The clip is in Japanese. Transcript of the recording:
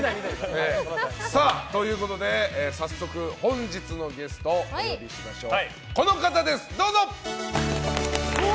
早速本日のゲストお呼びしましょう。